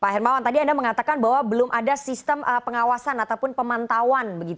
pak hermawan tadi anda mengatakan bahwa belum ada sistem pengawasan ataupun pemantauan